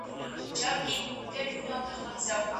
علامه بابا په هيواد کي د خونړيو کورنيو جګړو پر